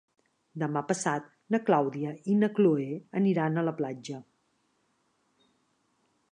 Demà passat na Clàudia i na Cloè aniran a la platja.